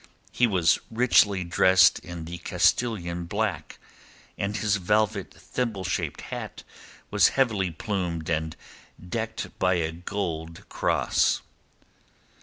He was richly dressed in the Castilian black, and his velvet thimble shaped hat was heavily plumed and decked by a gold cross.